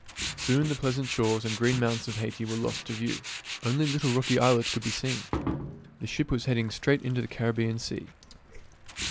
Soon the pleasant shores and green mountains of Haiti were lost to view. Only little rocky islets could be seen. The ship was heading straight into the Caribbean Sea.